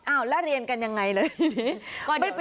แล้วเรียนกันยังไงเลย